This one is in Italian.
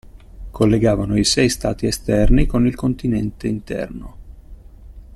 Collegavano i sei stati esterni con il continente interno.